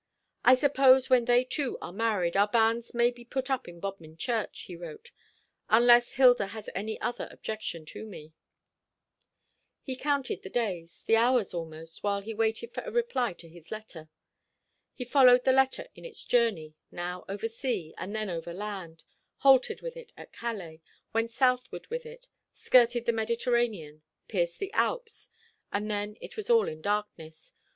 "I suppose when they two are married our banns may be put up in Bodmin Church," he wrote; "unless Hilda has any other objection to me." He counted the days, the hours almost, while he waited for a reply to his letter. He followed the letter in its journey, now over sea, and then over land halted with it at Calais, went southward with it, skirted the Mediterranean, pierced the Alps, and then it was all darkness.